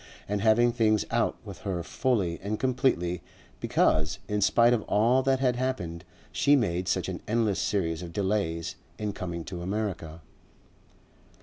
and having things out with her fully and completely because, in spite of all that had happened, she made such an endless series of delays in coming to America.